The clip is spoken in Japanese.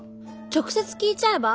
直接聞いちゃえば？